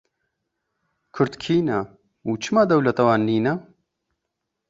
Kurd kî ne, û çima dewleta wan nîne?